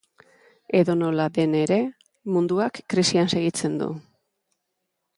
Edonola den ere, munduak krisian segitzen du.